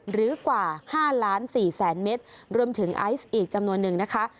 หรือกว่า๕ล้าน๔แสนเมตรรวมถึงไอซ์อีกจำนวนนึงนะคะ